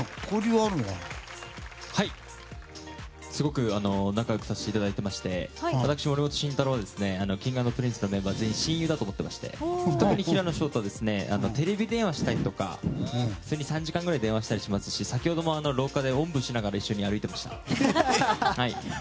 はい、すごく仲良くさせていただいていまして私、森本慎太郎Ｋｉｎｇ＆Ｐｒｉｎｃｅのメンバーは親友だと思っていまして特に平野紫耀とはテレビ電話をしたり３時間ぐらいしたりしますし先ほども廊下で、おんぶしながら一緒に歩いていました。